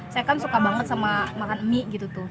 saya kan suka banget sama makan mie gitu tuh